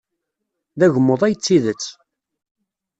D agmuḍ ay d tidet.